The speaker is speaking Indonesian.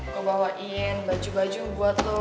aku bawain baju baju buat lo